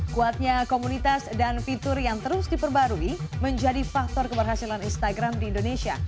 kuatnya komunitas dan fitur yang terus diperbarui menjadi faktor keberhasilan instagram di indonesia